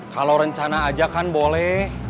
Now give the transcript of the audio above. kalau rencana aja kan boleh